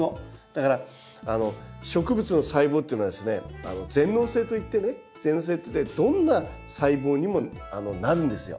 だから植物の細胞っていうのはですね全能性といってね全能性といってどんな細胞にもなるんですよ。